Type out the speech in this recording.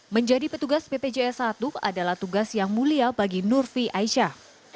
menjadi petugas bpjs satu adalah tugas yang mulia bagi nurfi aisyah